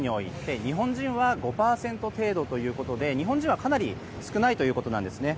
日本人は５％程度ということで日本人はかなり少ないということなんですね。